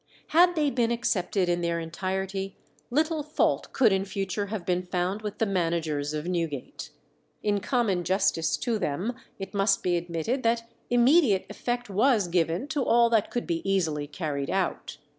Had they been accepted in their entirety, little fault could in future have been found with the managers of Newgate. In common justice to them, it must be admitted that immediate effect was given to all that could be easily carried out.